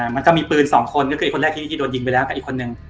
มันก็มีปืน๒คนก็คือคนแรกที่โดนยิงไปแล้วกับอีกคนนึง